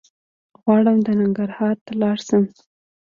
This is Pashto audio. غواړم ننګرهار ته لاړ شم